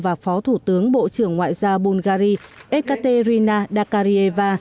và phó thủ tướng bộ trưởng ngoại giao bulgaria ekaterina dakarieva